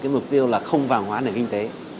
mục tiêu là không vàng hóa nền kinh tế